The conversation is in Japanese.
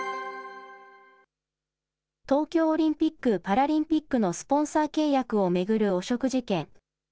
東京オリンピック・パラリンピックのスポンサー契約を巡る汚職事件。